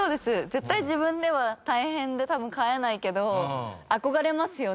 絶対自分では大変で多分飼えないけど憧れますよね。